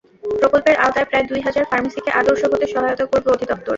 প্রকল্পের আওতায় প্রায় দুই হাজার ফার্মেসিকে আদর্শ হতে সহায়তা করবে অধিদপ্তর।